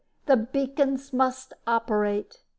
The beacons must operate!"